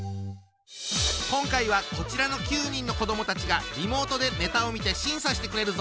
今回はこちらの９人の子どもたちがリモートでネタを見て審査してくれるぞ！